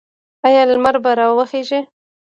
آیا لمر به راوخیږي؟